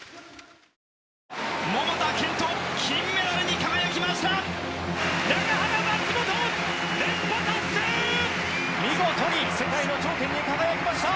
桃田賢斗、金メダルに輝きました！